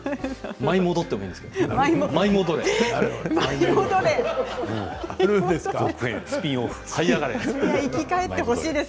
舞い戻ってもいいですよ。